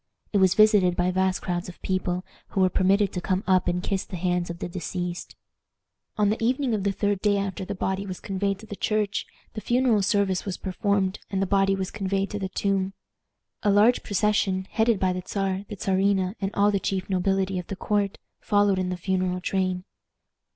It was visited by vast crowds of people, who were permitted to come up and kiss the hands of the deceased. On the evening of the third day after the body was conveyed to the church, the funeral service was performed, and the body was conveyed to the tomb. A large procession, headed by the Czar, the Czarina, and all the chief nobility of the court, followed in the funeral train.